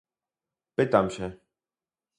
Pytam się